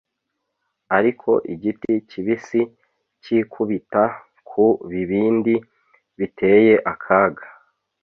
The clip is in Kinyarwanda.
ariko igiti kibisi cyikubita ku bibindi biteye akaga